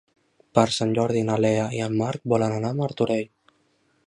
Per Sant Jordi na Lea i en Marc volen anar a Martorell.